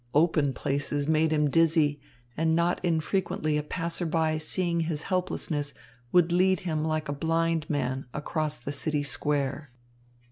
Open places made him dizzy, and not infrequently a passerby seeing his helplessness would lead him like a blind man across the city square.